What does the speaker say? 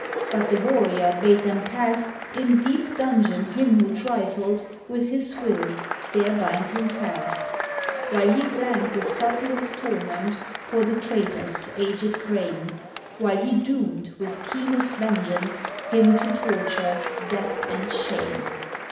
But the warrior bade them cast In deep dungeon him who trifled With his will there bind him fast, While he planned the subtlest torment For the traitor's aged frame, While he doomed, with keenest vengeance, Him to torture, death and shame!